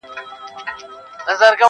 لږ صبر سه توپانه لا څپې دي چي راځي-